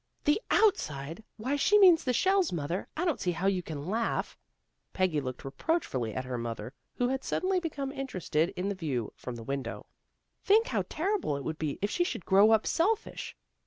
"The outside! Why, she means the shells, mother. I don't see how you can laugh." Peggy looked reproachfully at her mother who had suddenly become interested in the view from the window. " Think how terrible it would be if she should grow up selfish."